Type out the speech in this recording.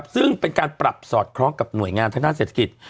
ซึ่งเป็นการปรับสอดคล้องกับหน่วยงานทางด้านเศรษฐกิจ